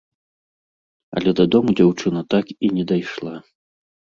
Але дадому дзяўчына так і не дайшла.